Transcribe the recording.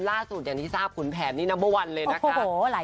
ล่าสุดอย่างที่ทราบขุนแผนนี่นัมเบอร์วันเลยนะคะ